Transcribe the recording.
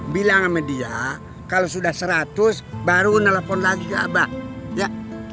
bilang sama dia kalau sudah seratus baru nelpon lagi ke abah ya